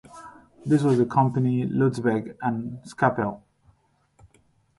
The first was the company Lotsberg and Skappel.